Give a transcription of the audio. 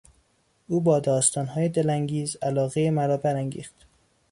او با داستانهای دلانگیز علاقهی مرا برانگیخت.